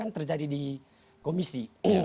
terjadi di komisi